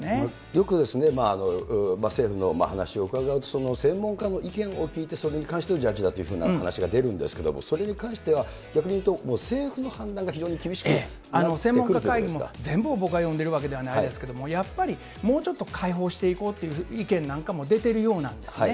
よく政府の話を伺うと、その専門家の意見を聞いて、それに関してはじゃあ、こうしようという話が出るんですけれども、それに関しては、逆にいうと、政府の判断が非常に厳しくと。全部、誤解を生んでるわけではないですけれども、やっぱりもうちょっと開放していこうという意見なんかも出ているようなんですね。